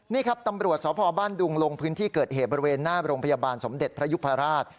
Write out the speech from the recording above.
นี่ครับตำรวจสพบ้านดุงลงพื้นที่เกิดเหตุบริเวณหน้าโรงพยาบาลสมเด็จพระยุพราช